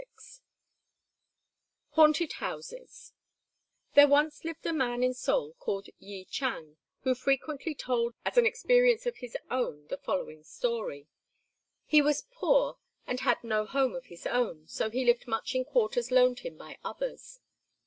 XXXVI HAUNTED HOUSES There once lived a man in Seoul called Yi Chang, who frequently told as an experience of his own the following story: He was poor and had no home of his own, so he lived much in quarters loaned him by others.